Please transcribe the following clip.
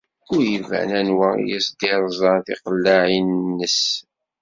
Ur iban anwa i as-d-iṛzan tiqillaɛin ines.